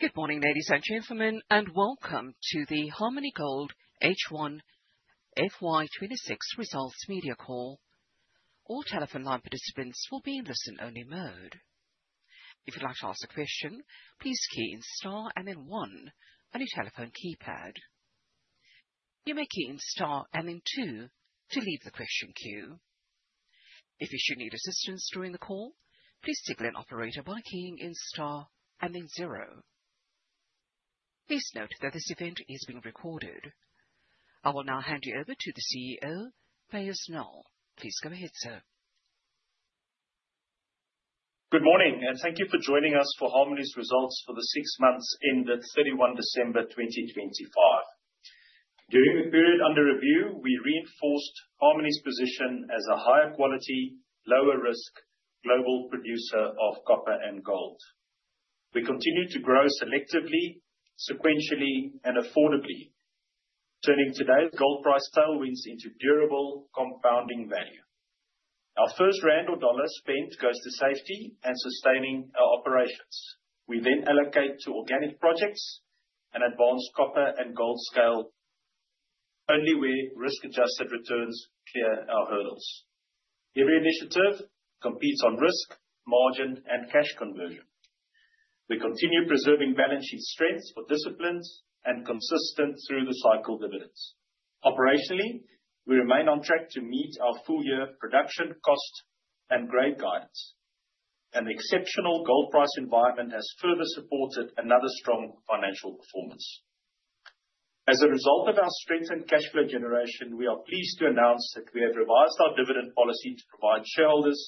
Good morning, ladies and gentlemen, and welcome to the Harmony Gold H1 FY 2026 results media call. All telephone line participants will be in listen-only mode. If you'd like to ask a question, please key in star and then one on your telephone keypad. You may key in star and then two to leave the question queue. If you should need assistance during the call, please signal an operator by keying in star and then zero. Please note that this event is being recorded. I will now hand you over to the CEO, Beyers Nel. Please go ahead, sir. Good morning, and thank you for joining us for Harmony's results for the six months ended December 31, 2025. During the period under review, we reinforced Harmony's position as a higher quality, lower risk global producer of copper and gold. We continue to grow selectively, sequentially, and affordably, turning today's gold price tailwinds into durable compounding value. Our first rand or dollar spent goes to safety and sustaining our operations. We then allocate to organic projects and advance copper and gold scale only where risk-adjusted returns clear our hurdles. Every initiative competes on risk, margin, and cash conversion. We continue preserving balance sheet strengths for disciplines and consistent through the cycle dividends. Operationally, we remain on track to meet our full-year production cost and grade guidance. The exceptional gold price environment has further supported another strong financial performance. As a result of our strengthened cash flow generation, we are pleased to announce that we have revised our dividend policy to provide shareholders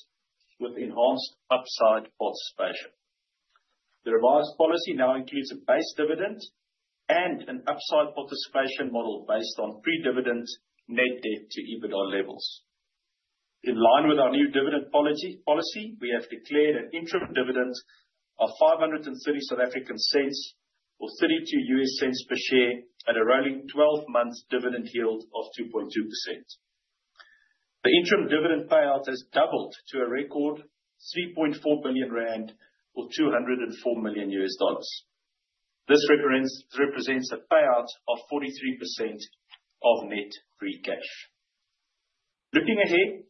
with enhanced upside participation. The revised policy now includes a base dividend and an upside participation model based on pre-dividend net debt to EBITDA levels. In line with our new dividend policy, we have declared an interim dividend of 5.30 or $0.32 per share at a rolling 12-month dividend yield of 2.2%. The interim dividend payout has doubled to a record 3.4 billion rand, or $204 million. This represents a payout of 43% of net free cash flow. Looking ahead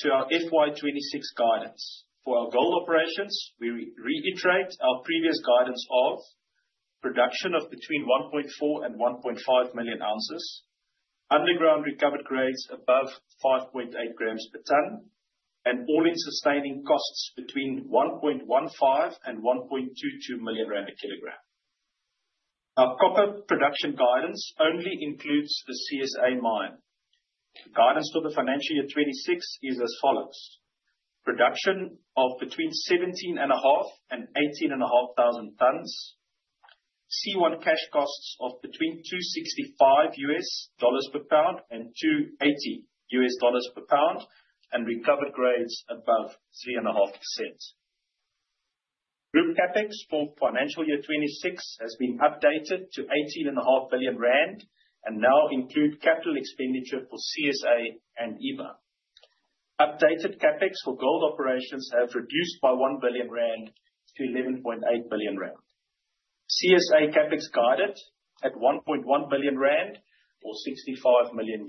to our FY 2026 guidance. For our gold operations, we reiterate our previous guidance of production of between 1.4 million oz and 1.5 million oz, underground recovered grades above 5.8 g per tonne, and all-in sustaining costs between 1.15 million and 1.22 million rand per kg. Our copper production guidance only includes the CSA mine. Guidance for the financial year 2026 is as follows. Production of between 17,500 and 18,500 tonnes. C1 cash costs of between $265 per pound and $280 per pound, and recovered grades above 3.5%. Group CapEx for financial year 2026 has been updated to 18.5 billion rand and now include capital expenditure for CSA and Eva. Updated CapEx for gold operations have reduced by 1 billion-11.8 billion rand. CSA CapEx guided at 1.1 billion rand or $65 million.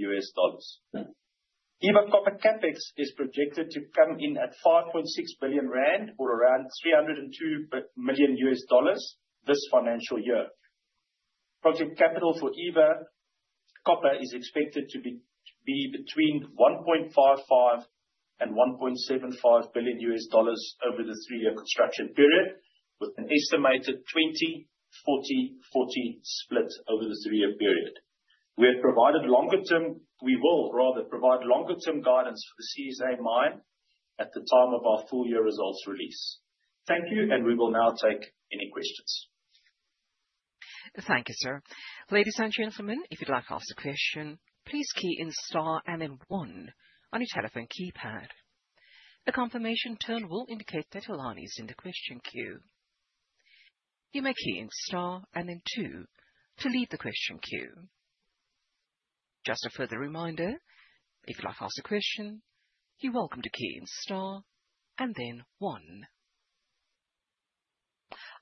Eva Copper CapEx is projected to come in at 5.6 billion rand or around $302 million this financial year. Project capital for Eva Copper is expected to be between $1.55 billion and $1.75 billion over the three-year construction period, with an estimated 20/40/40 split over the three-year period. We have provided longer term. We will rather provide longer-term guidance for the CSA mine at the time of our full-year results release. Thank you, and we will now take any questions. Thank you, sir. Ladies and gentlemen, if you'd like to ask a question, please key in star and then one on your telephone keypad. A confirmation tone will indicate that your line is in the question queue. You may key in star and then two to leave the question queue. Just a further reminder, if you'd like to ask a question, you're welcome to key in star and then one.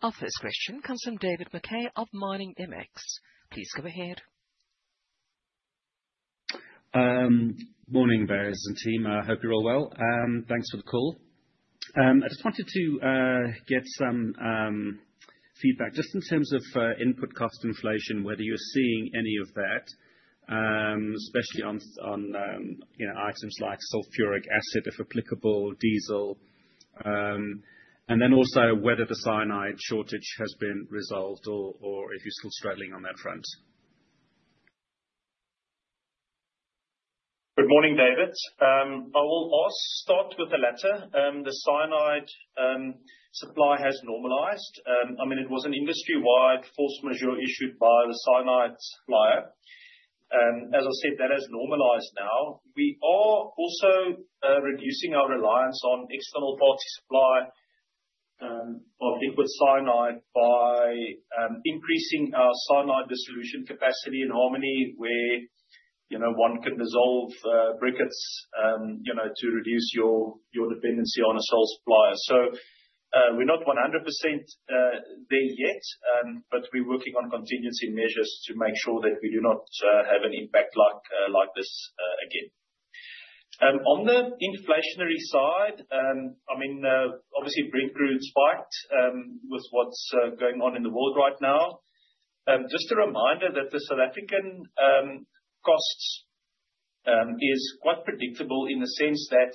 Our first question comes from David McKay of Miningmx. Please go ahead. Morning, Marius and team. I hope you're all well. Thanks for the call. I just wanted to get some feedback just in terms of input cost inflation, whether you're seeing any of that, especially on you know, items like sulfuric acid, if applicable, diesel. Also whether the cyanide shortage has been resolved or if you're still struggling on that front. Good morning, David. I will start with the latter. The cyanide supply has normalized. I mean, it was an industry-wide force majeure issued by the cyanide supplier. As I said, that has normalized now. We are also reducing our reliance on external party supply of liquid cyanide by increasing our cyanide distribution capacity in Harmony where, you know, one can dissolve briquettes, you know, to reduce your dependency on a sole supplier. We're not 100% there yet, but we're working on contingency measures to make sure that we do not have an impact like this again. On the inflationary side, I mean, obviously Brent crude spiked with what's going on in the world right now. Just a reminder that the South African costs is quite predictable in the sense that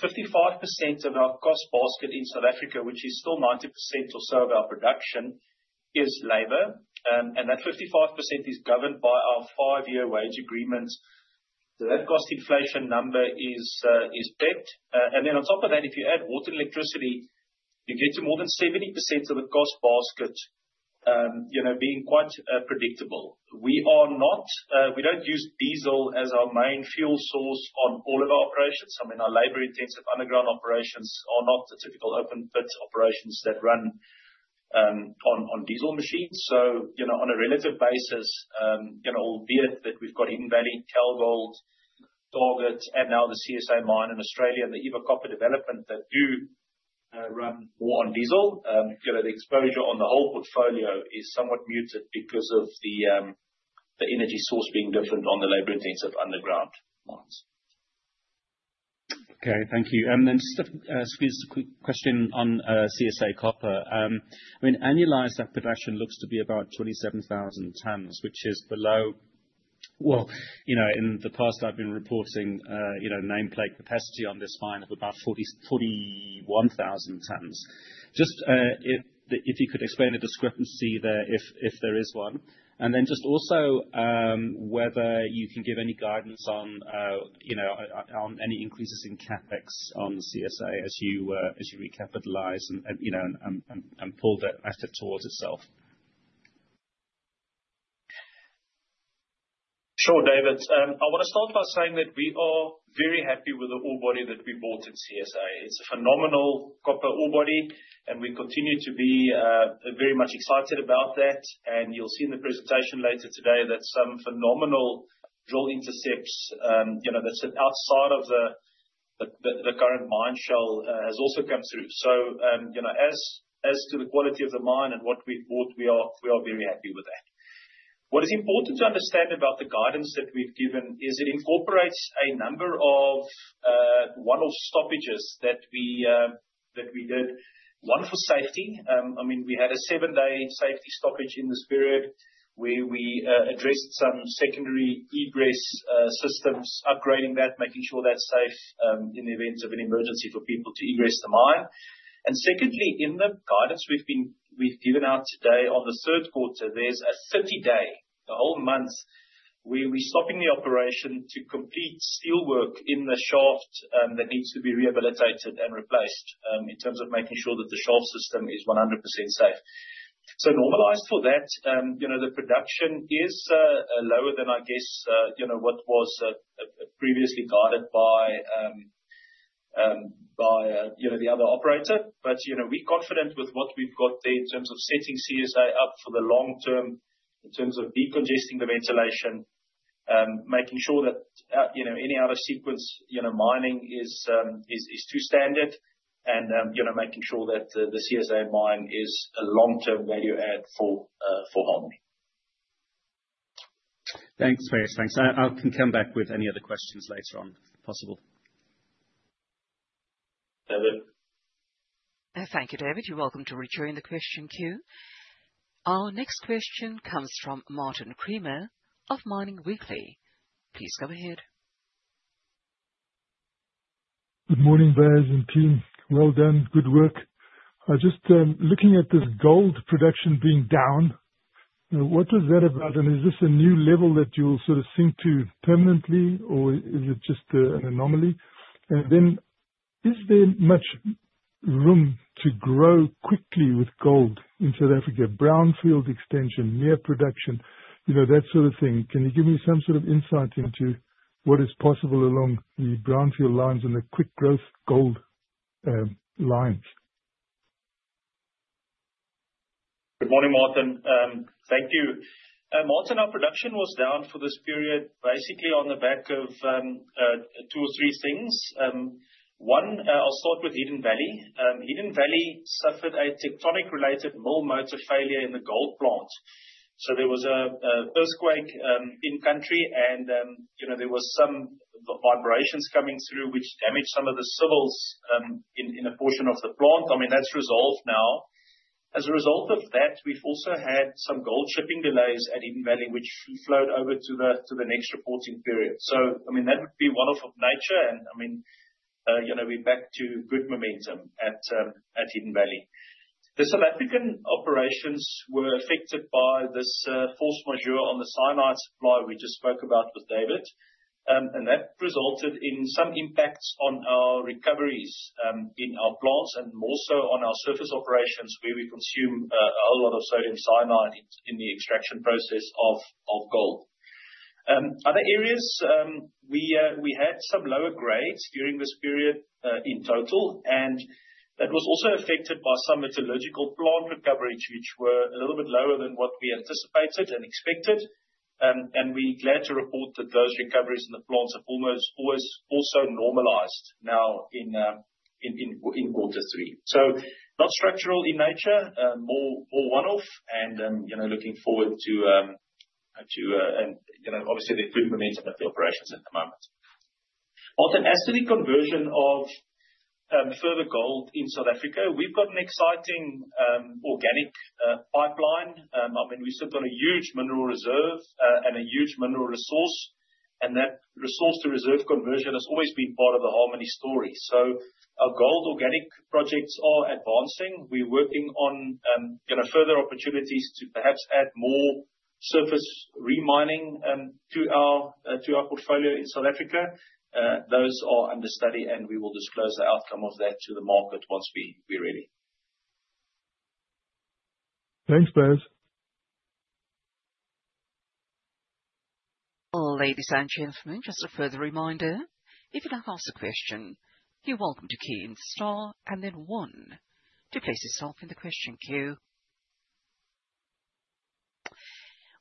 55% of our cost basket in South Africa, which is still 90% or so of our production, is labor. That 55% is governed by our five-year wage agreements. That cost inflation number is capped. Then on top of that, if you add water and electricity, you get to more than 70% of the cost basket, you know, being quite predictable. We don't use diesel as our main fuel source on all of our operations. I mean, our labor-intensive underground operations are not the typical open pit operations that run on diesel machines. You know, on a relative basis, you know, albeit that we've got Hidden Valley, Tau Gold, Target, and now the CSA Mine in Australia and the Eva Copper development that do run more on diesel, you know, the exposure on the whole portfolio is somewhat muted because of the energy source being different on the labor-intensive underground mines. Okay. Thank you. Then just a squeeze a quick question on CSA. I mean, annualized that production looks to be about 27,000 tonnes, which is below. Well, you know, in the past I've been reporting, you know, nameplate capacity on this mine of about 41,000 tonnes. Just, if you could explain the discrepancy there, if there is one. Then just also, whether you can give any guidance on, you know, on any increases in CapEx on CSA as you recapitalize and, you know, and pull that asset towards itself. Sure, David. I wanna start by saying that we are very happy with the ore body that we bought in CSA. It's a phenomenal copper ore body, and we continue to be very much excited about that. You'll see in the presentation later today that some phenomenal drill intercepts that sit outside of the current mine shell has also come through. As to the quality of the mine and what we've bought, we are very happy with that. What is important to understand about the guidance that we've given is it incorporates a number of one-off stoppages that we did. One for safety. I mean, we had a seven-day safety stoppage in this period where we addressed some secondary egress systems, upgrading that, making sure that's safe in the event of an emergency for people to egress the mine. Secondly, in the guidance we've given out today on the third quarter, there's a 30-day, a whole month, where we're stopping the operation to complete steel work in the shaft that needs to be rehabilitated and replaced in terms of making sure that the shaft system is 100% safe. Normalized for that, you know, the production is lower than I guess, you know, what was previously guided by, you know, the other operator. You know, we're confident with what we've got there in terms of setting CSA up for the long term, in terms of decongesting the ventilation, making sure that you know, any out-of-sequence you know, mining is to standard and you know, making sure that the CSA Mine is a long-term value add for Harmony. Thanks, Beyers. Thanks. I can come back with any other questions later on if possible. Thanks David. Thank you, David. You're welcome to return the question queue. Our next question comes from Martin Creamer of Mining Weekly. Please go ahead. Good morning, Beyers and team. Well done. Good work. Just looking at this gold production being down, what is that about? Is this a new level that you'll sort of sink to permanently or is it just an anomaly? Is there much room to grow quickly with gold in South Africa, brownfield extension, near production, you know, that sort of thing? Can you give me some sort of insight into what is possible along the brownfield lines and the quick growth gold lines? Good morning, Martin. Thank you. Martin, our production was down for this period basically on the back of two or three things. One, I'll start with Hidden Valley. Hidden Valley suffered a tectonic-related mill motor failure in the gold plant. There was an earthquake in country and you know, there was some vibrations coming through which damaged some of the civils in a portion of the plant. I mean, that's resolved now. As a result of that, we've also had some gold shipping delays at Hidden Valley, which we flowed over to the next reporting period. I mean, that would be one off of nature and I mean, you know, we're back to good momentum at Hidden Valley. The South African operations were affected by this force majeure on the cyanide supply we just spoke about with David. That resulted in some impacts on our recoveries in our plants and more so on our surface operations, where we consume a whole lot of sodium cyanide in the extraction process of gold. Other areas, we had some lower grades during this period in total, and that was also affected by some metallurgical plant recoveries, which were a little bit lower than what we anticipated and expected. We're glad to report that those recoveries in the plants are almost always also normalized now in quarter three. Not structural in nature, more all one-off and, you know, looking forward to the good management of the operations at the moment. Ultimately, conversion of further gold in South Africa, we've got an exciting organic pipeline. I mean, we sit on a huge Mineral Reserve and a huge Mineral Resource, and that resource to reserve conversion has always been part of the Harmony story. Our gold organic projects are advancing. We're working on, you know, further opportunities to perhaps add more surface re-mining to our portfolio in South Africa. Those are under study, and we will disclose the outcome of that to the market once we're ready. Thanks, Beyers. Ladies and gentlemen, just a further reminder, if you would like to ask a question, you're welcome to key in star and then one to place yourself in the question queue.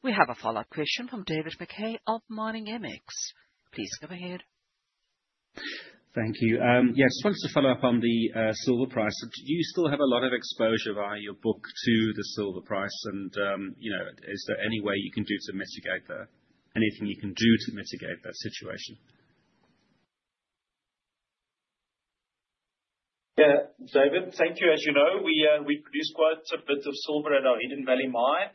We have a follow-up question from David McKay of Miningmx. Please go ahead. Thank you. Yes. Just wanted to follow up on the silver price. Do you still have a lot of exposure via your book to the silver price? Is there any way you can do to mitigate that? Anything you can do to mitigate that situation? Yeah, David, thank you. As you know, we produce quite a bit of silver at our Hidden Valley Mine.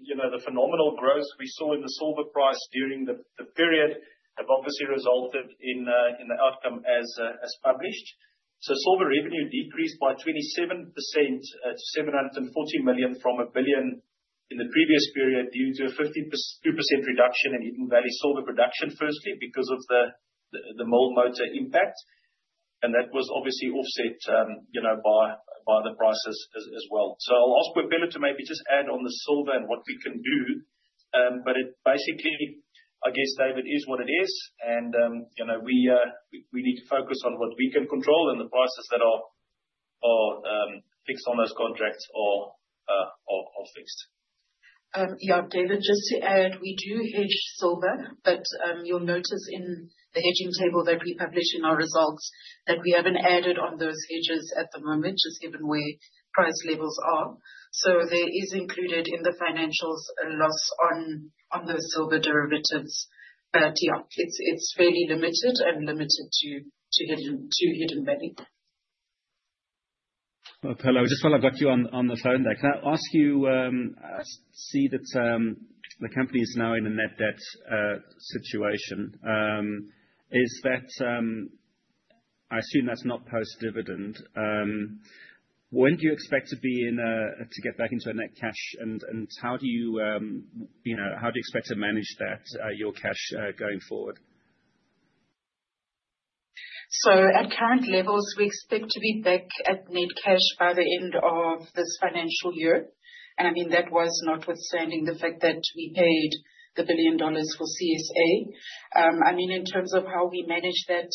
You know, the phenomenal growth we saw in the silver price during the period has obviously resulted in the outcome as published. Silver revenue decreased by 27% at 740 million from 1 billion in the previous period due to a 15% reduction in Hidden Valley silver production, firstly because of the mill motor impact. That was obviously offset by the prices as well. I'll ask Boipelo to maybe just add on the silver and what we can do. It basically, I guess, David, is what it is. You know, we need to focus on what we can control and the prices that are fixed on those contracts are fixed. Yeah, David, just to add, we do hedge silver, but you'll notice in the hedging table that we publish in our results that we haven't added on those hedges at the moment, just given where price levels are. There is included in the financials a loss on those silver derivatives. Yeah, it's fairly limited and limited to Hidden Valley. Boipelo, just while I've got you on the phone there, can I ask you, I see that the company is now in a net debt situation. I assume that's not post-dividend. When do you expect to be in a, to get back into a net cash? And how do you know, how do you expect to manage that, your cash going forward? At current levels, we expect to be back at net cash by the end of this financial year. I mean, that was notwithstanding the fact that we paid the $1 billion for CSA. I mean, in terms of how we manage that,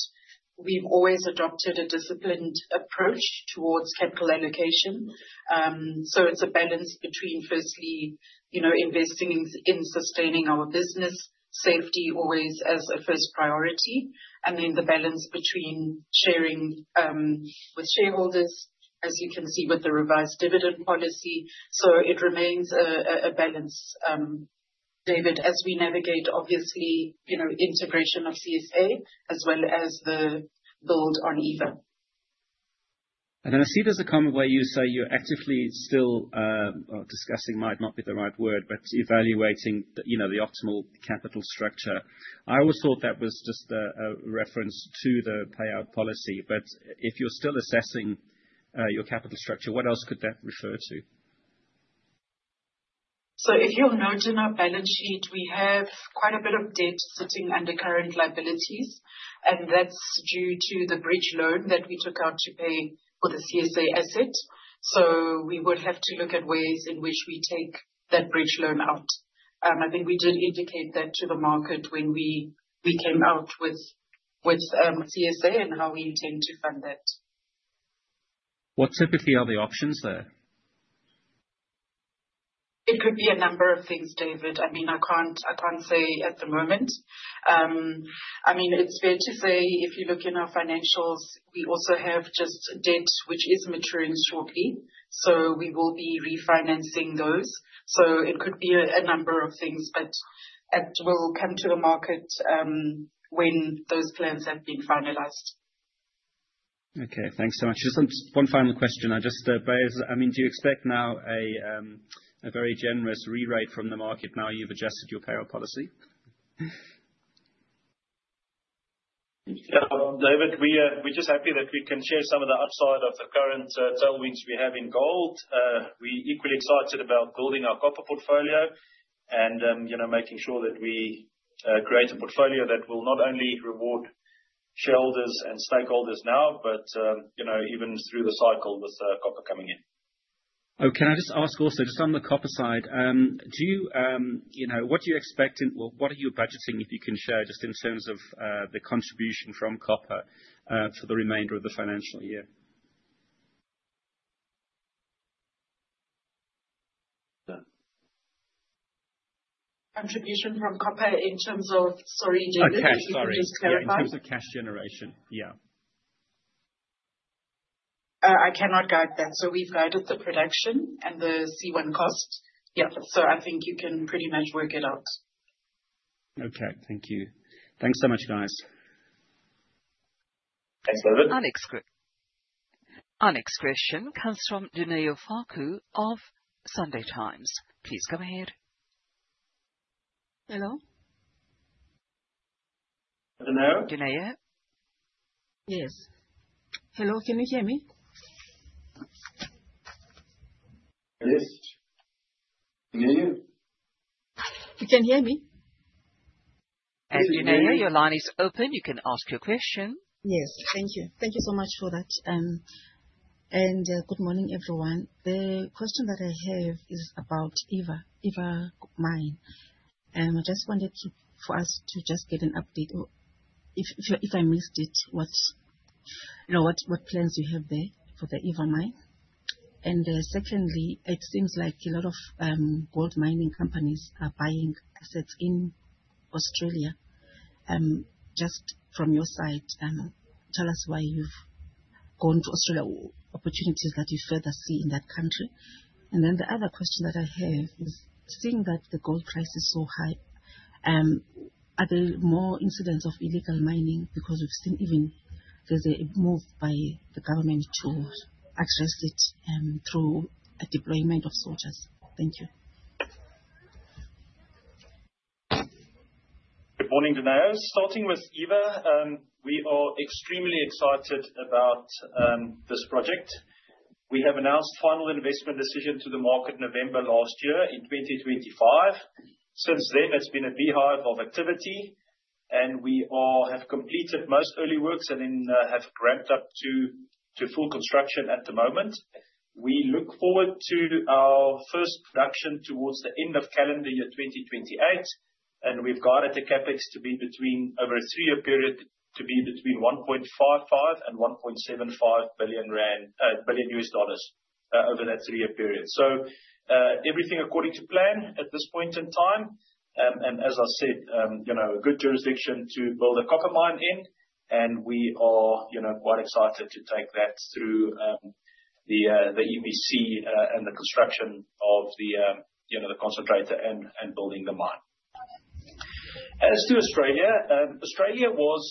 we've always adopted a disciplined approach towards capital allocation. It's a balance between firstly, you know, investing in sustaining our business, safety always as a first priority, and then the balance between sharing with shareholders, as you can see with the revised dividend policy. It remains a balance, David, as we navigate, obviously, you know, integration of CSA as well as the build on Eva. I see there's a comment where you say you're actively still or discussing might not be the right word, but evaluating the, you know, the optimal capital structure. I always thought that was just a reference to the payout policy. If you're still assessing your capital structure, what else could that refer to? If you'll note in our balance sheet, we have quite a bit of debt sitting under current liabilities, and that's due to the bridge loan that we took out to pay for the CSA asset. We would have to look at ways in which we take that bridge loan out. I think we did indicate that to the market when we came out with CSA and how we intend to fund that. What typically are the options there? It could be a number of things, David. I mean, I can't say at the moment. I mean, it's fair to say if you look in our financials, we also have just debt which is maturing shortly, so we will be refinancing those. It could be a number of things, but that will come to the market, when those plans have been finalized. Okay. Thanks so much. Just one final question. I just, Beyers, I mean, do you expect now a very generous rewrite from the market now you've adjusted your payout policy? Yeah. David, we're just happy that we can share some of the upside of the current tailwinds we have in gold. We're equally excited about building our copper portfolio and you know, making sure that we create a portfolio that will not only reward shareholders and stakeholders now, but you know, even through the cycle with copper coming in. Oh, can I just ask also, just on the copper side, do you know, what do you expect and, well, what are you budgeting, if you can share, just in terms of, the contribution from copper, for the remainder of the financial year? Contribution from copper in terms of. Sorry, can you just clarify? Okay, sorry. Yeah, in terms of cash generation. Yeah. I cannot guide that. We've guided the production and the C1 costs. Yeah. I think you can pretty much work it out. Okay. Thank you. Thanks so much, guys. Thanks, David. Our next question comes from Dineo Faku of Sunday Times. Please go ahead. Hello? Dineo? Dineo? Yes. Hello, can you hear me? Yes. Can hear you. You can hear me? We can hear you. As you know, your line is open. You can ask your question. Yes. Thank you. Thank you so much for that. Good morning, everyone. The question that I have is about Eva mine. I just wanted for us to just get an update or if I missed it, what's, you know, what plans you have there for the Eva mine. Secondly, it seems like a lot of gold mining companies are buying assets in Australia. Just from your side, tell us why you've gone to Australia or opportunities that you further see in that country. Then the other question that I have is, seeing that the gold price is so high, are there more incidents of illegal mining? Because we've seen even there's a move by the government to address it through a deployment of soldiers. Thank you. Good morning, Dineo. Starting with Eva, we are extremely excited about this project. We have announced final investment decision to the market, November last year in 2025. Since then, it's been a beehive of activity, and we have completed most early works and then have ramped up to full construction at the moment. We look forward to our first production towards the end of calendar year 2028, and we've guided the CapEx to be between $1.55 billion and $1.75 billion over a three-year period, over that three-year period. Everything according to plan at this point in time. As I said, you know, a good jurisdiction to build a copper mine in, and we are, you know, quite excited to take that through the EPC and the construction of the, you know, the concentrator and building the mine. As to Australia was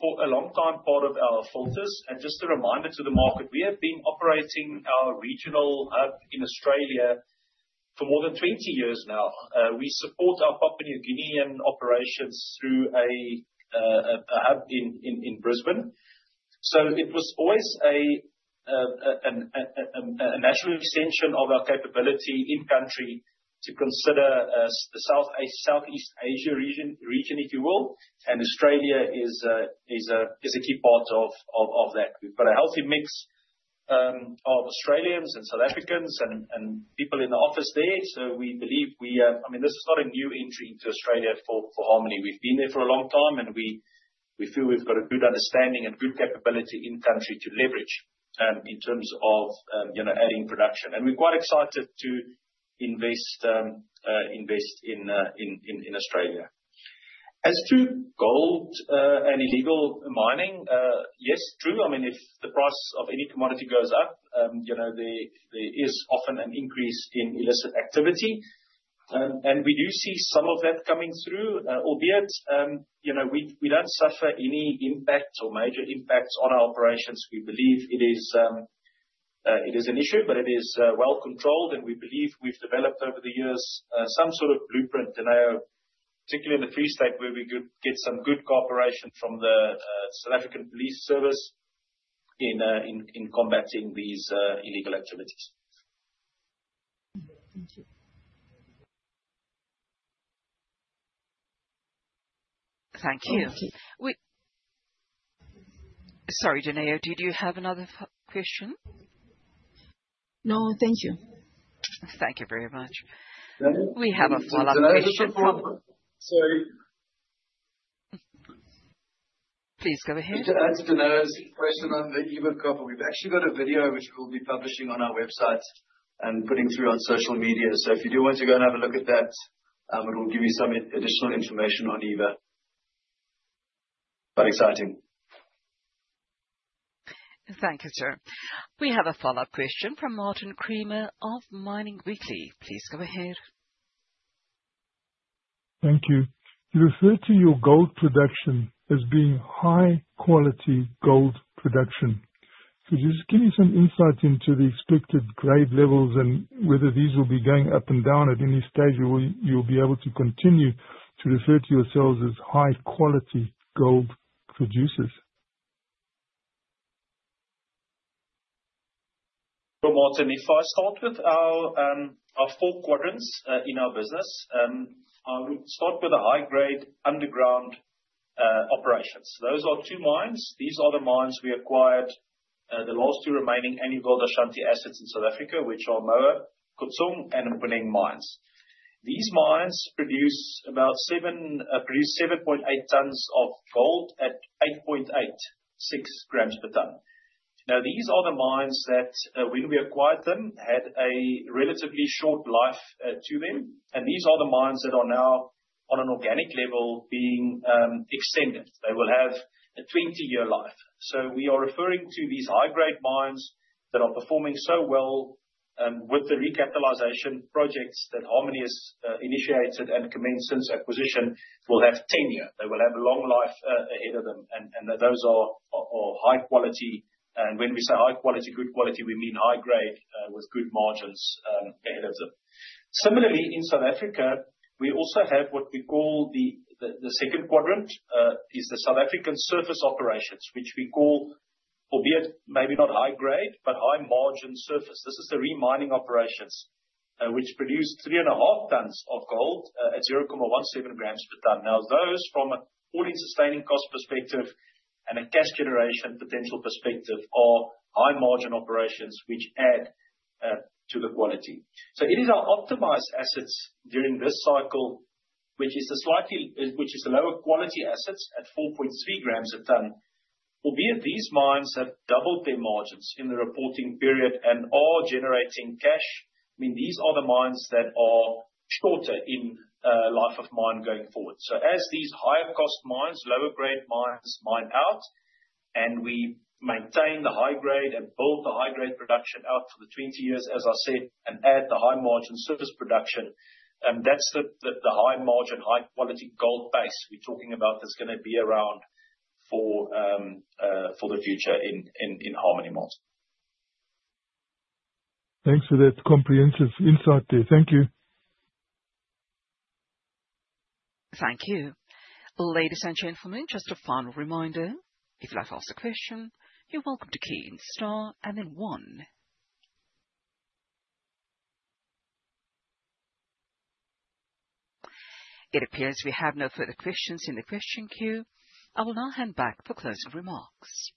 for a long-time part of our footprint. Just a reminder to the market, we have been operating our regional hub in Australia for more than 20 years now. We support our Papua New Guinean operations through a hub in Brisbane. It was always a natural extension of our capability in country to consider Southeast Asia region, if you will. Australia is a key part of that. We've got a healthy mix of Australians and South Africans and people in the office there. We believe. I mean, this is not a new entry into Australia for Harmony. We've been there for a long time, and we feel we've got a good understanding and good capability in country to leverage in terms of you know, adding production. We're quite excited to invest in Australia. As to gold and illegal mining, yes, true. I mean, if the price of any commodity goes up, you know, there is often an increase in illicit activity. We do see some of that coming through. Albeit you know, we don't suffer any impact or major impacts on our operations. We believe it is an issue, but it is well controlled. We believe we've developed over the years some sort of blueprint, you know, particularly in the Free State, where we get some good cooperation from the South African Police Service in combating these illegal activities. Thank you. Thank you. Thank you. Sorry, Dineo, did you have another question? No. Thank you. Thank you very much. Dineo- We have a follow-up question from. Sorry. Please go ahead. To add to Dineo's question on the Eva Copper, we've actually got a video which we'll be publishing on our website and putting through on social media. If you do want to go and have a look at that, it'll give you some additional information on Eva. Quite exciting. Thank you, sir. We have a follow-up question from Martin Creamer of Mining Weekly. Please go ahead. Thank you. You refer to your gold production as being high quality gold production. Could you just give me some insight into the expected grade levels and whether these will be going up and down at any stage, or will you be able to continue to refer to yourselves as high quality gold producers? Martin, if I start with our four quadrants in our business. We start with the high-grade underground operations. Those are two mines. These are the mines we acquired, the last two remaining AngloGold Ashanti assets in South Africa, which are Moab Khotsong and Mponeng mines. These mines produce about 7.8 tonnes of gold at 8.86 g/tonne. Now, these are the mines that, when we acquired them, had a relatively short life to them. These are the mines that are now on an organic level being extended. They will have a 20-year life. We are referring to these high-grade mines that are performing so well with the recapitalization projects that Harmony has initiated and commenced since acquisition will have tenure. They will have a long life ahead of them. Those are high quality. When we say high quality, good quality, we mean high grade with good margins ahead of them. Similarly, in South Africa, we also have what we call the second quadrant is the South African surface operations, which we call, albeit maybe not high grade, but high margin surface. This is the re-mining operations, which produce 3.5 tonnes of gold at 0.17 g/tonne. Now, those from an all-in sustaining costs perspective and a cash generation potential perspective are high margin operations which add to the quality. It is our optimized assets during this cycle, which is lower quality assets at 4.3 g/tonne. Albeit these mines have doubled their margins in the reporting period and are generating cash, I mean, these are the mines that are shorter in life of mine going forward. As these higher cost mines, lower grade mines, mine out, and we maintain the high grade and build the high grade production out for the 20 years, as I said, and add the high margin surface production, that's the high margin, high quality gold base we're talking about that's gonna be around for the future in Harmony Mines. Thanks for that comprehensive insight there. Thank you. Thank you. Ladies and gentlemen, just a final reminder, if you'd like to ask a question, you're welcome to key in star and then one. It appears we have no further questions in the question queue. I will now hand back for closing remarks.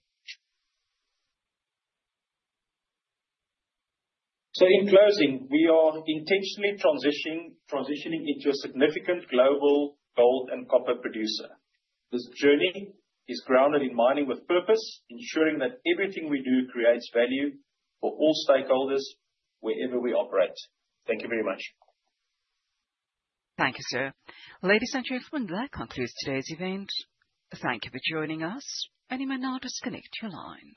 In closing, we are intentionally transitioning into a significant global gold and copper producer. This journey is grounded in mining with purpose, ensuring that everything we do creates value for all stakeholders wherever we operate. Thank you very much. Thank you, sir. Ladies and gentlemen, that concludes today's event. Thank you for joining us, and you may now disconnect your line.